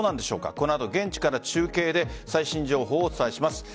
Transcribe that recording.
この後、現地から中継で最新情報をお伝えします。